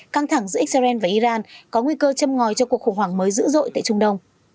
căng thẳng giữa israel và iran có nguy cơ châm ngòi cho cuộc khủng hoảng mới dữ dội tại trung đông